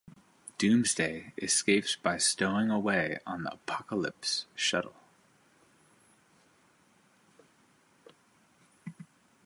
Doomsday escapes by stowing away on the Apokolips shuttle.